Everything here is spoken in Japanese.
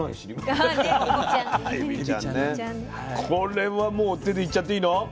これはもう手でいっちゃっていいの？